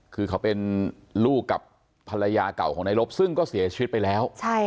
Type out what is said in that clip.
คือเขาเป็นลูกกับภรรยาเก่าของนายลบซึ่งก็เสียชีวิตไปแล้ว